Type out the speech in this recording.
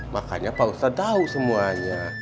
makanya pak ustadz tahu semuanya